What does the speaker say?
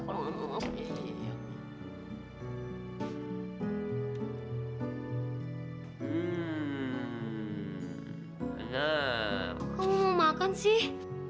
kau mau makan sih